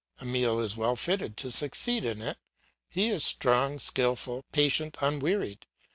Emile is well fitted to succeed in it. He is strong, skilful, patient, unwearied.